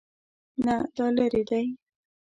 نه، دا لیرې دی